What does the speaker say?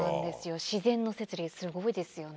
自然の摂理すごいですよね。